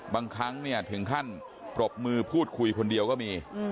บางครั้งเนี่ยถึงขั้นปรบมือพูดคุยคนเดียวก็มี